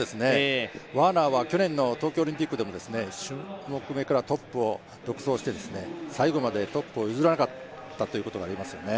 ワーナーは去年の東京オリンピックでも１種目めからトップを独走して最後までトップを譲らなかったということがありましたよね。